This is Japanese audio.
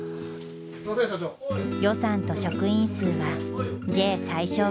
予算と職員数はＪ最少クラス。